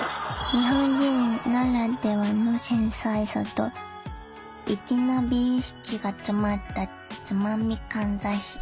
［日本人ならではの繊細さと粋な美意識が詰まった「つまみかんざし」］